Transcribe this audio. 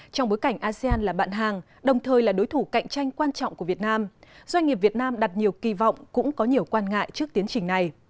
trong bối cảnh asean là bạn hàng đồng thời là đối thủ cạnh tranh quan trọng của việt nam doanh nghiệp việt nam đặt nhiều kỳ vọng cũng có nhiều quan ngại trước tiến trình này